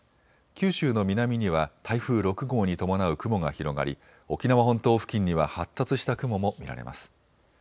九州の南には台風６号に伴う雲が広がり沖縄本島付近には発達した雲も見られます。